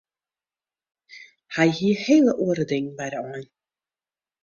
Hy hie hele oare dingen by de ein.